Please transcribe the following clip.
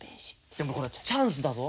でもこれチャンスだぞ。